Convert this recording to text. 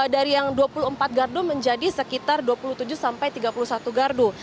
dari yang dua puluh empat gardu menjadi sekitar dua puluh tujuh sampai tiga puluh satu gardu